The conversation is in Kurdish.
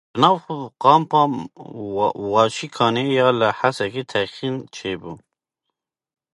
Li nav kampa Waşûkanî ya li Hesekê teqîn çêbû.